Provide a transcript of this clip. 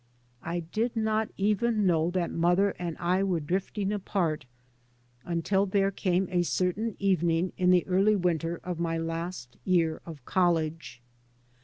I did not even know that mother and I were drifting apart until there came a certain even ing in early winter in my last year of college.